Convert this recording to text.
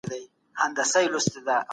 موږ باید د حل لارې ولټوو.